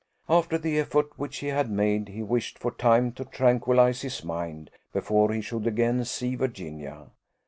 After the effort which he had made, he wished for time to tranquillize his mind, before he should again see Virginia.